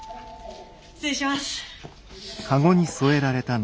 失礼します。